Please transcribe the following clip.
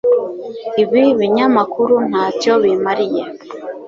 ibi binyamakuru ntacyo bimariye,